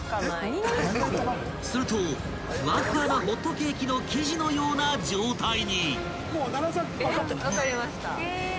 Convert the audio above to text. ［するとフワフワなホットケーキの生地のような状態に］